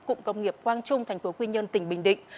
cụng công nghiệp quang trung tp quy nhơn tỉnh bình định